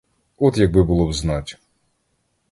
От, якби було б знать!